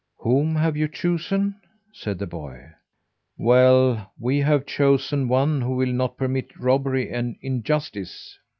"Whom have you chosen?" said the boy. "Well, we have chosen one who will not permit robbery and injustice.